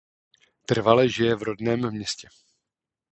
Trvale žije v rodném městě.